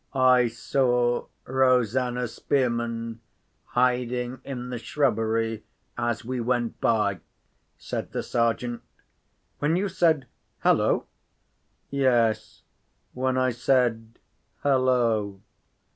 "I saw Rosanna Spearman hiding in the shrubbery as we went by," said the Sergeant. "When you said 'Hullo'?" "Yes—when I said 'Hullo!